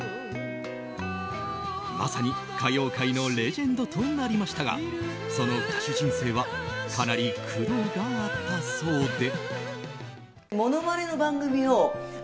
まさに歌謡界のレジェンドとなりましたがその歌手人生はかなり苦労があったそうで。